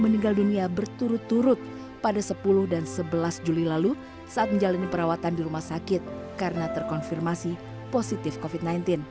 meninggal dunia berturut turut pada sepuluh dan sebelas juli lalu saat menjalani perawatan di rumah sakit karena terkonfirmasi positif covid sembilan belas